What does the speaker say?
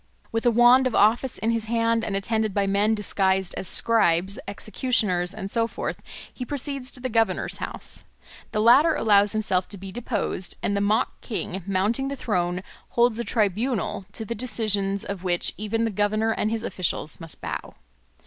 With a wand of office in his hand and attended by men disguised as scribes, executioners, and so forth, he proceeds to the Governor's house. The latter allows himself to be deposed; and the mock king, mounting the throne, holds a tribunal, to the decisions of which even the governor and his officials must bow.